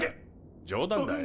冗談だよ。